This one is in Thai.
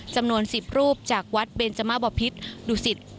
จำนวน๑๐รูปจากวัดเบนจมบพิษดุสิต